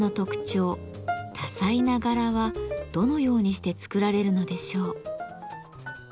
多彩な柄はどのようにして作られるのでしょう？